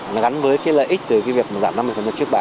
nó gắn với cái lợi ích từ cái việc giảm năm mươi trước bã